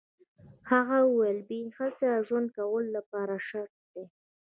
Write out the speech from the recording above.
هغه وویل بې حسي د ژوند کولو لپاره شرط ده